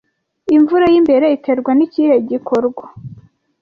Imvura yimbere iterwa nikihe gikorwa